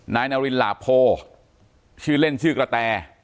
นายนารินหลาโพชื่อเล่นชื่อกระแต